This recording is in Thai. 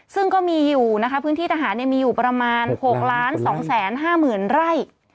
ซึ่งก็มีอยู่นะคะพื้นที่ทหารมีอยู่ประมาณ๖๒๕๐๐๐ไร่